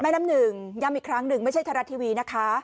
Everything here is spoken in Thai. น้ำหนึ่งย้ำอีกครั้งหนึ่งไม่ใช่ไทยรัฐทีวีนะคะ